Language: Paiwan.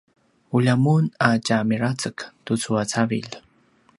ulja mun a tja mirazek tucu a cavilj